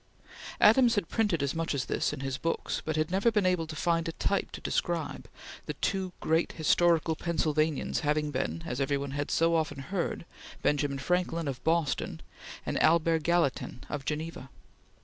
Adams had printed as much as this in his books, but had never been able to find a type to describe, the two great historical Pennsylvanians having been, as every one had so often heard, Benjamin Franklin of Boston and Albert Gallatin of Geneva.